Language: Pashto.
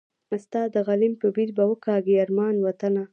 ستا د غلیم په ویر به وکاږي ارمان وطنه